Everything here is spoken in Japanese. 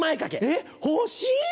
えっ欲しい！